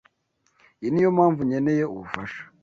Iyi niyo mpamvu nkeneye ubufasha.